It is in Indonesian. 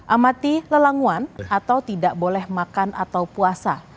amati lelanguan atau tidak boleh makan atau puasa